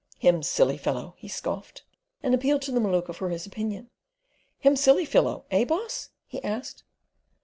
"Him silly fellow," he scoffed, and appealed to the Maluka for his opinion: "him silly fellow? Eh boss?" he asked.